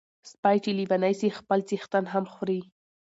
سپي چی لیوني سی خپل څښتن هم خوري .